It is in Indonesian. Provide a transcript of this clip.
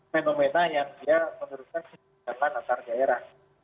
fenomena yang dia menurutkan kebijakan antar daerah